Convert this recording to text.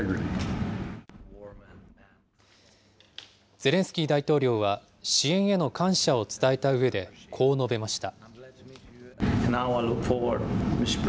ゼレンスキー大統領は支援への感謝を伝えたうえで、こう述べました。